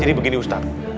jadi begini ustaz